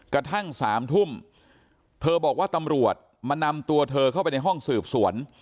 กระทั่ง๓ทุ่มเธอบอกว่าตำรวจมานำตัวเธอเข้าไปในห้องสืบสวน